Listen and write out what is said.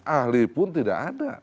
ahli pun tidak ada